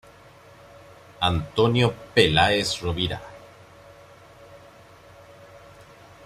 Antonio Peláez Rovira.